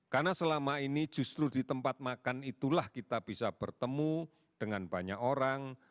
karena selama ini justru di tempat makan itulah kita bisa bertemu dengan banyak orang